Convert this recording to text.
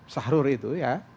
sahrur itu ya